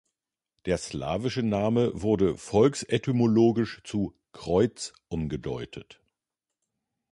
Der slawische Name wurde volksetymologisch zu "Kreuz" umgedeutet.